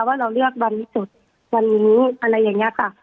ว่าเราเลือกวันที่สุดวันนี้อะไรอย่างนี้ค่ะ